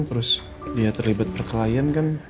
terus dia terlibat perkelahian kan